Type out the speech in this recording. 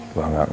saya tidak tahu